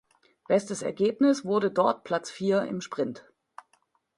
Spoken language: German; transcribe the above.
Bestes Ergebnis wurde dort Platz vier im Sprint.